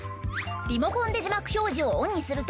リモコンで字幕表示をオンにすると。